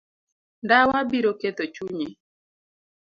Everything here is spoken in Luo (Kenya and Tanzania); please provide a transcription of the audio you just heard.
Ndawa biro ketho chunyi.